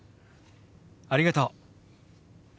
ありがとう。